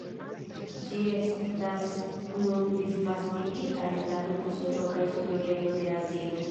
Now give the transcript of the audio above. Ĝi estas nun disvastigita en la tuta sudo kaj sudoriento de Azio.